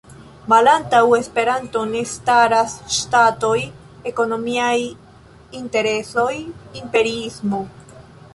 Malantaŭ Esperanto ne staras ŝtatoj, ekonomiaj interesoj, imperiismo.